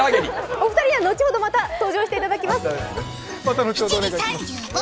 お二人は後ほど、また登場してもらいます。